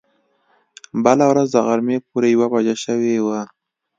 بله ورځ د غرمې پوره يوه بجه شوې وه.